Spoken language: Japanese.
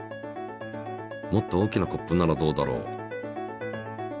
もっと大きなコップならどうだろう？